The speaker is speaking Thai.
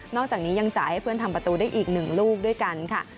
จากนี้ยังจ่ายให้เพื่อนทำประตูได้อีก๑ลูกด้วยกันค่ะ